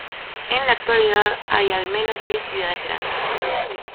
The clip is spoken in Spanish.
En la actualidad hay al menos diez ciudades grandes.